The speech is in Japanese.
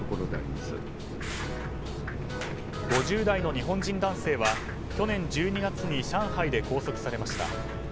５０代の日本人男性は去年１２月に上海で拘束されました。